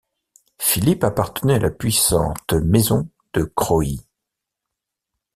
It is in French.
Philippe appartenait à la puissante maison de Croÿ.